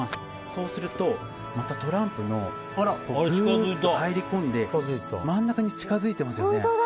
そうするとトランプにぐっと入り込んで真ん中に近づいてますよね。